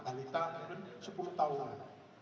dan yang di bocek di surabaya